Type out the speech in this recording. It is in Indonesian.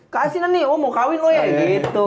keasinan nih oh mau kawin lo ya gitu